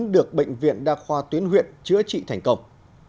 được bệnh viện đa khoa tuyến huyện chữa trị thành công